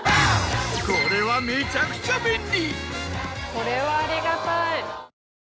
これはめちゃくちゃ便利！